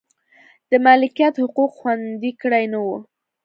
د مالکیت حقوق خوندي کړي نه و.